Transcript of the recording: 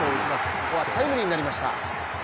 ここはタイムリーになりました。